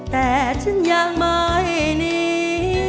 แต่ฉันยังไม่หนี